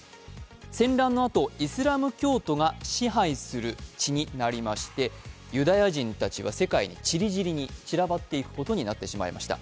戦乱のあと、イスラム教徒が支配する地になりましてユダヤ人たちは世界にちりぢりに散らばっていくことになってしまいました。